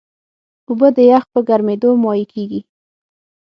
اوبه د یخ په ګرمیېدو مایع کېږي.